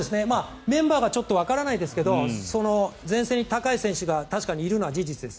メンバーがちょっとわからないですが前線に高い選手が確かにいるのは事実です。